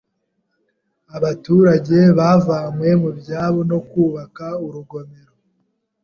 Abaturage bavanywe mu byabo no kubaka urugomero.